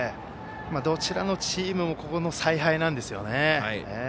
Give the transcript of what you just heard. どちらのチームもここの采配なんですよね。